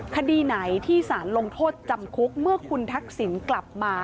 คดีไหนที่สารลงโทษจำคุกเมื่อคุณทักษิณกลับมา